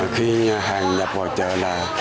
khi hàng nhập vào chợ là